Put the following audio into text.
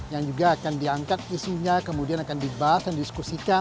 yang juga akan diangkat isinya kemudian akan dibahas dan didiskusikan